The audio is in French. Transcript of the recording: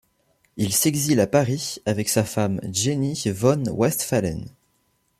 Il s’exile à Paris avec sa femme Jenny von Westphalen.